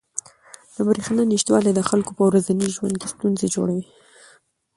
د بریښنا نشتوالی د خلکو په ورځني ژوند کې ستونزې جوړوي.